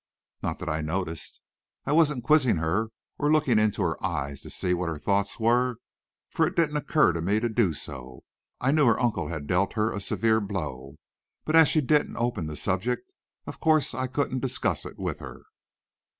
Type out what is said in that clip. "Not that I noticed. I wasn't quizzing her or looking into her eyes to see what her thoughts were, for it didn't occur to me to do so. I knew her uncle had dealt her a severe blow, but as she didn't open the subject, of course I couldn't discuss it with her.